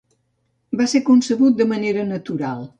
Va ser concebut de manera natural.